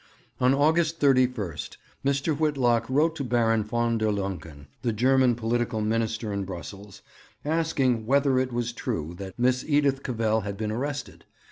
On August 31 Mr. Whitlock wrote to Baron von der Lancken, the German Political Minister in Brussels, asking whether it was true that Miss Edith Cavell had been arrested.